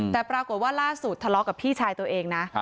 แต่ปรากฏว่าล่าสุดทะเลาะกับพี่ชายตัวเองนะ